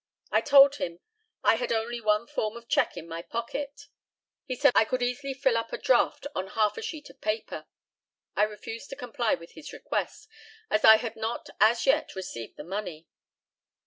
I told him I had only one form of cheque in my pocket. He said I could easily fill up a draught on half a sheet of paper. I refused to comply with his request, as I had not as yet received the money.